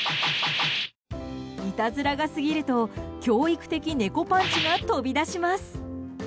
いたずらが過ぎると教育的猫パンチが飛び出します。